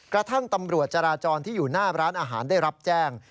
กระทั่งตำรวจจราจรที่อยู่หน้าร้านอาหารได้รับแจ้ง